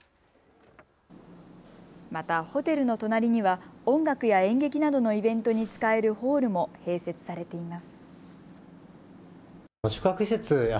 またホテルの隣には音楽や演劇などのイベントに使えるホールも併設されています。